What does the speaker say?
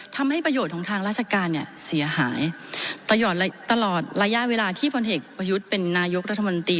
ทำให้ประโยชน์ของทางราชการเนี่ยเสียหายตลอดระยะเวลาที่พลเอกประยุทธ์เป็นนายกรัฐมนตรี